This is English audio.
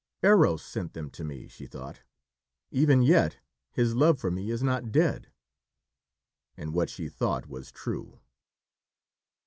"Eros sent them to me:" she thought. "Even yet his love for me is not dead." And what she thought was true.